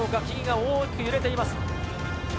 木々が大きく揺れています。